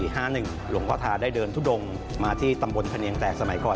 หลวงพ่อทาได้เดินทุดงมาที่ตำบลพะเนียงแตกสมัยก่อน